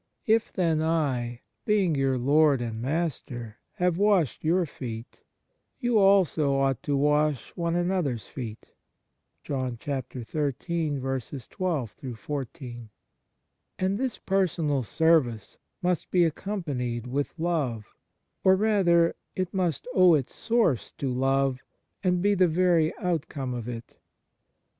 If then I, being your Lord and Master, have washed your feet, you also ought to wash one another s feet." 2 And this personal service must be ac companied with love, or, rather, it must owe its source to love and be the very outcome of it.